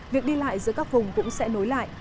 việc đi lại giữa các vùng cũng sẽ nối lại